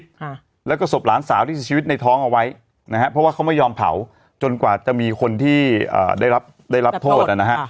หรือคุณลุ่งทิพย์แล้วก็ศพหลานสาวที่จะชีวิตในท้องเอาไว้เพราะว่าเขาไม่ยอมเผาจนกว่าจะมีคนที่ได้รับโทษ